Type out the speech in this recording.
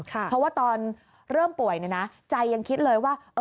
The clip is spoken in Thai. เพราะว่าตอนเริ่มป่วยใจยังคิดเลยว่า